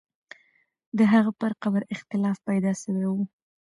د هغې پر قبر اختلاف پیدا سوی وو.